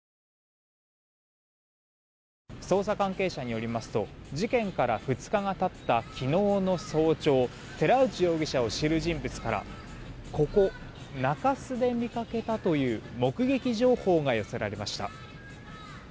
捜査関係者によりますと事件から２日が経った昨日の早朝寺内容疑者を知る人物からここ、中洲で見かけたという目撃情報が寄せられました。